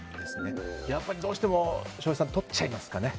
やっぱり、どうしても翔平さん、とっちゃいますかね。